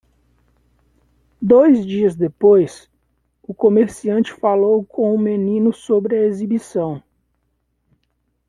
Dois dias depois, o comerciante falou com o menino sobre a exibição.